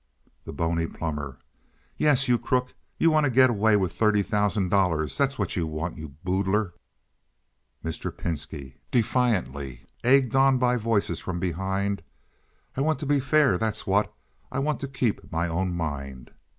The Bony Plumber. "Yes, you crook! You want to get away with thirty thousand dollars, that's what you want, you boodler!" Mr. Pinski (defiantly, egged on by voices from behind). "I want to be fair—that's what. I want to keep my own mind.